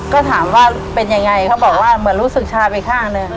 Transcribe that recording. ก็ถามว่าเป็นยังไงเขาบอกว่าเหมือนรู้สึกชาไปข้างหนึ่ง